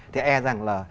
thì e rằng là